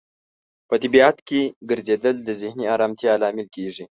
په طبیعت کې ګرځیدل د ذهني آرامتیا لامل کیږي.